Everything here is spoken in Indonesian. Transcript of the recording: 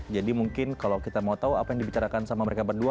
jadi mungkin kalau kita mau tahu apa yang dibicarakan sama mereka berdua